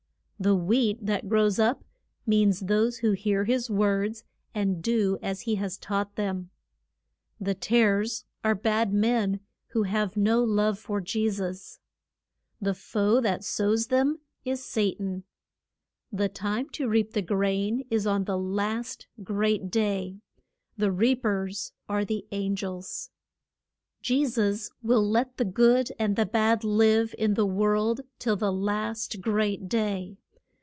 The wheat that grows up means those who hear his words, and do as he has taught them. The tares are bad men, who have no love for Je sus. The foe that sows them is Sa tan. The time to reap the grain is on the last great day. The reap ers are the an gels. Je sus will let the good and the bad live in the world till the last great day.